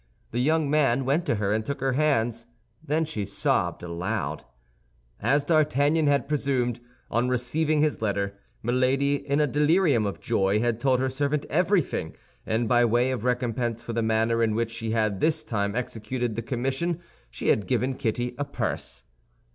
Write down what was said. The young man went to her and took her hands; then she sobbed aloud. As D'Artagnan had presumed, on receiving his letter, Milady in a delirium of joy had told her servant everything; and by way of recompense for the manner in which she had this time executed the commission, she had given Kitty a purse.